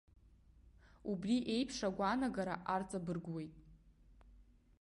Убри еиԥш агәанаагара арҵабыргуеит.